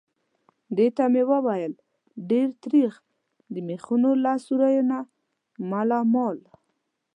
دې ته مې وویل: ډېر تریخ. د مېخونو له سوریو نه مالامال.